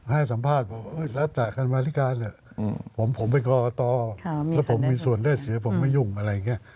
ให้สัมภาษณ์บอกแล้วแต่การมาธิการผมเป็นกรกตแล้วผมมีส่วนได้เสียผมไม่ยุ่งอะไรอย่างนี้